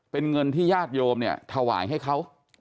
เป็นเงินที่ญาติโยมเนี่ยถวายให้เขา